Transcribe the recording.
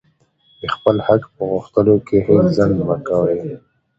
د خپل حق په غوښتلو کښي هېڅ ځنډ مه کوئ!